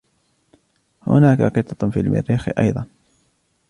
هناك قطط في المريخ أيضًا.